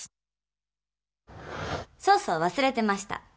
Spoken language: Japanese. そうそう忘れてました。